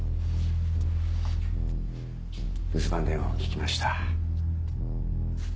留守番電話を聞きました。